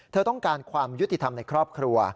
เธอต้องการความยุติธรรมในครอบครัว